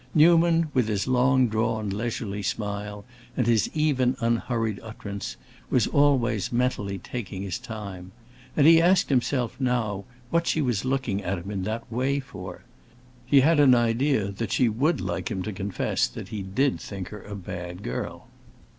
Newman, with his long drawn, leisurely smile, and his even, unhurried utterance, was always, mentally, taking his time; and he asked himself, now, what she was looking at him in that way for. He had an idea that she would like him to confess that he did think her a bad girl.